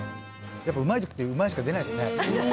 やっぱうまいときってうまいしか出ないっすね。